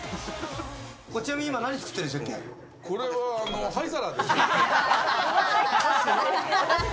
ちなみに今、何作ってるんで灰皿。